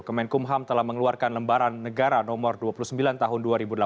kemenkumham telah mengeluarkan lembaran negara nomor dua puluh sembilan tahun dua ribu delapan belas